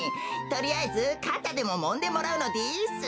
とりあえずかたでももんでもらうのです。